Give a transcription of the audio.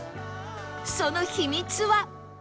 その秘密は